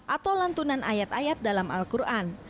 atau lantunan ayat ayat dalam al quran